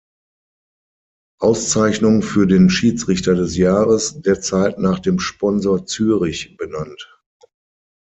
Auszeichnung für den Schiedsrichter des Jahres, derzeit nach dem Sponsor Zürich, benannt.